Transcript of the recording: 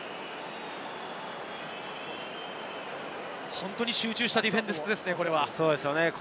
本当に集中したディフェンスですね。